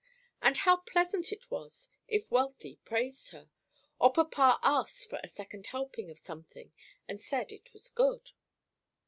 And how pleasant it was if Wealthy praised her, or papa asked for a second helping of something and said it was good.